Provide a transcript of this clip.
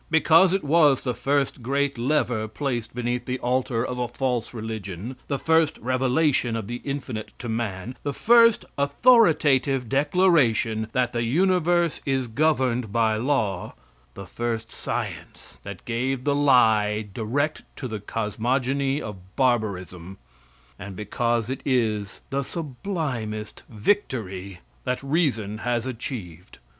Because it was the first great lever placed beneath the altar of a false religion; the first revelation of the infinite to man, the first authoritative declaration that the universe is governed by law; the first science that gave the lie direct to the cosmogony of barbarism; and because it is the sublimest victory that reason has achieved.